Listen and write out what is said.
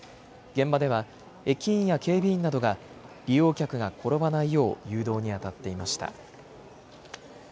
現場では駅員や警備員などが利用客が転ばないよう誘導にあたっていました。